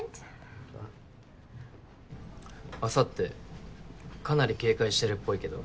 あさってかなり警戒してるっぽいけど。